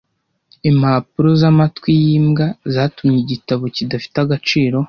Impapuro zamatwi yimbwa zatumye igitabo kidafite agaciro.